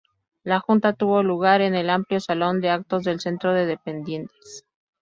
La Junta tuvo lugar en el amplio salón de actos del Centro de Dependientes.